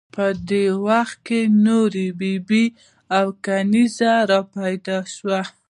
په دې وخت کې نورې بي بي او کنیزې را پیدا شوې.